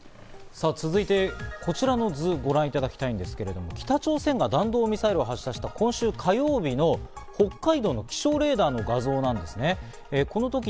さぁ、続いてこちらの図をご覧いただきたいんですけど、北朝鮮が弾道ミサイルを発射した今週火曜日の北海道の気象レーダーの画像なんですね。